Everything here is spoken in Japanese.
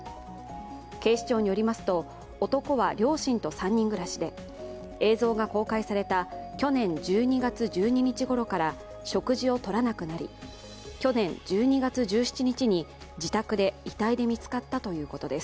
警視庁によりますと男は両親と３人暮らしで映像が公開された去年１２月１２日頃から食事をとらなくなり去年１２月１７日に自宅で遺体で見つかったということです。